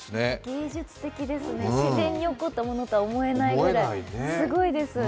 芸術的ですね、自然に起こったものとは思えないくらいすごいです。